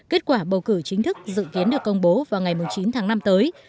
kết quả bầu cử chính thức dự kiến được công bố vào ngày chín tháng năm tới